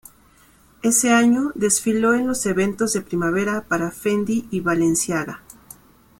Ese año desfiló en los eventos de primavera para Fendi y Balenciaga.